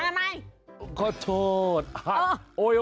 มาทำไม